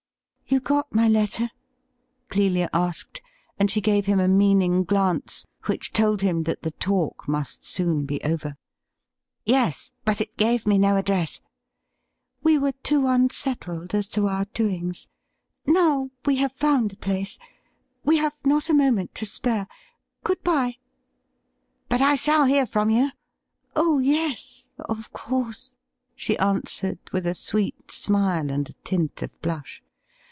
' You got my letter ?'' Clelia asked, and she gave him a meaning glance, which told him that the talk must soon be over. ' Yes ; but it gave me no address.' ' We were too unsettled as to our doings. Now we have found a place. We have not a moment to spare. Good bye !'' But I shall hear from you .?'' Oh yes, of course,' she answered, with a sweet smile and a tint of blush.